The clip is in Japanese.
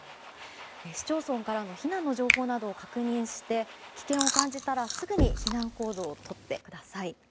市町村からの避難の情報などを確認して危険を感じたらすぐに避難行動をとってください。